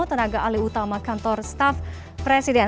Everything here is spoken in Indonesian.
tenaga alih utama kantor staff presiden